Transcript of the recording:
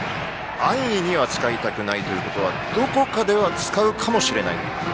安易には使いたくないということはどこかでは使うかもしれないと。